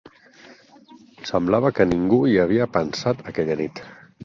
Semblava que ningú hi havia pensat aquella nit.